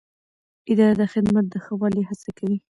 اداره د خدمت د ښه والي هڅه کوي.